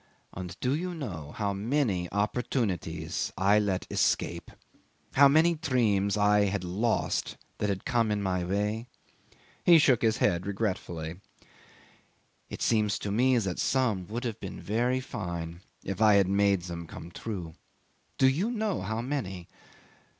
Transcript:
"And do you know how many opportunities I let escape; how many dreams I had lost that had come in my way?" He shook his head regretfully. "It seems to me that some would have been very fine if I had made them come true. Do you know how many?